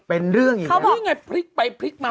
เป็นเรื่องอย่างนี้คราวนี้ไงพลิกไปพลิกมา